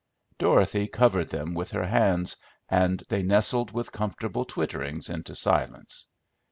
Dorothy covered them with her hands and they nestled with comfortable twitterings into silence.